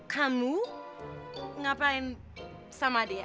kamu ngapain sama dia